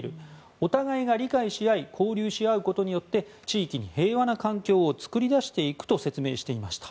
お互いが理解し合い交流し合うことによって地域に平和な環境を作り出していくと説明していました。